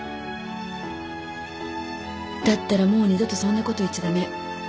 だったらもう二度とそんなこと言っちゃダメ。